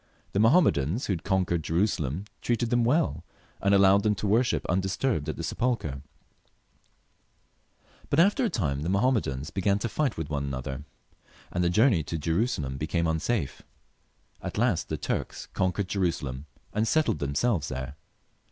The Mahommedans who had con quered Jerusalem treated them well, and allowed them to worship undisturbed at the sepulchre ; but after a time the Mahommedans began to fight with one another, and the journey to Jerusalem became unsafe. At last the Turks conquered Jerusalem, and settled themselves there.